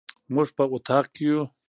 موږ په اطاق کي يو